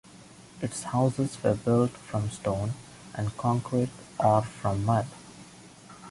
Its houses were built from stone and concrete or from mud.